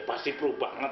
ya pasti pro banget